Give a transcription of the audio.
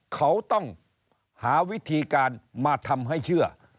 เขาต้องหาวิธีการมาทำให้เชื่อ